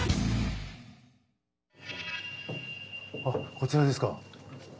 こちらですか。